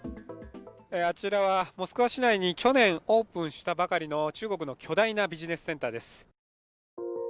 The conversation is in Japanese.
あちらはモスクワ市内に去年オープンしたばかりの中国の巨大なビジネスセンターです。